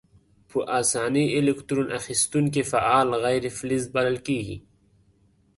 په آساني الکترون اخیستونکي فعال غیر فلز بلل کیږي.